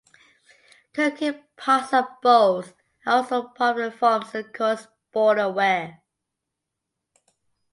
Cooking pots and bowls are also popular forms of Coarse Border ware.